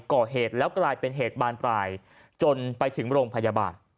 ก่อเหตุแล้วกลายเป็นเหตุบานปลายจนไปถึงโรงพยาบาล